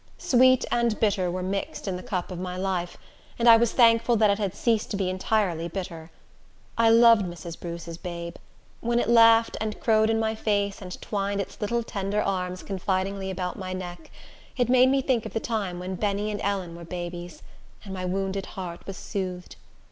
Sweet and bitter were mixed in the cup of my life, and I was thankful that it had ceased to be entirely bitter. I loved Mrs. Bruce's babe. When it laughed and crowed in my face, and twined its little tender arms confidingly about my neck, it made me think of the time when Benny and Ellen were babies, and my wounded heart was soothed.